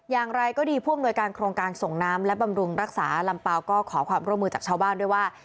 อย่างไรก็ดีผู้อำนวยการโครงการส่งน้ำและบำรุงรักษาลำเปล่าก็ขอความร่วมมือจากชาวบ้านด้วยว่า